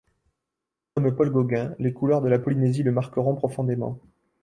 Comme Paul Gauguin, les couleurs de la Polynésie le marqueront profondément.